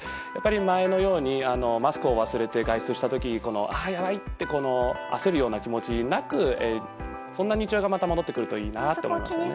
前のようにマスクを忘れて外出した時あ、やばいと焦るような気持ちになることなくそんな日常がまた戻ってくるといいなと思いましたね。